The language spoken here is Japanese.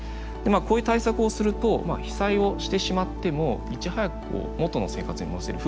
こういう対策をすると被災をしてしまってもいち早く元の生活に戻せる。